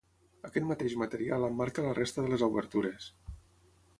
Aquest mateix material emmarca la resta de les obertures.